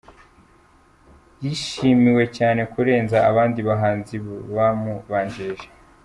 Yishimiwe cyane kurenza abandi bahanzi bamubanjirije.